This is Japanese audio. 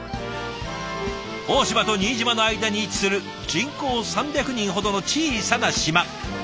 大島と新島の間に位置する人口３００人ほどの小さな島。